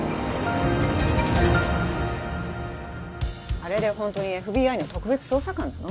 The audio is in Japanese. あれでホントにＦＢＩの特別捜査官なの？